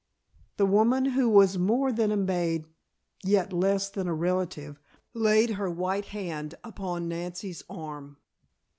The woman, who was more than a maid yet less than a relative, laid her white hand upon Nancy's arm.